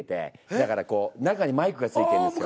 だからこう中にマイクが付いてるんですよ。